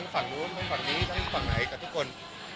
ฝั่งนู้นทั้งฝั่งนี้ทั้งฝั่งไหนกับทุกคน